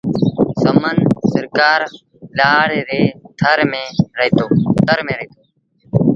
سمن سرڪآر لآڙ ري تر ميݩ رهيتو۔